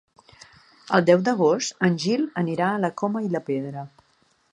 El deu d'agost en Gil anirà a la Coma i la Pedra.